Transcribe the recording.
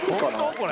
これ。